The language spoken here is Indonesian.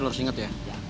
lo harus inget ya